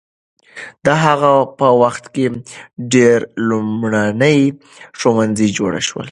د هغه په وخت کې ډېر لومړني ښوونځي جوړ شول.